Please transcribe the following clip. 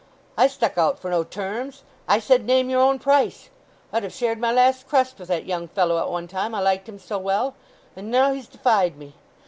I stuck out for no terms—I said 'Name your own price.' I'd have shared my last crust with that young fellow at one time, I liked him so well. And now he's defied me!